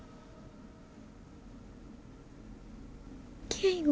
圭吾？